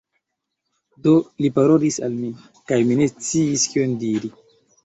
Do, li parolis al mi, kaj mi ne sciis kion diri.